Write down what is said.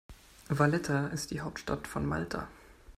Valletta ist die Hauptstadt von Malta.